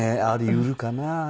あり得るかな。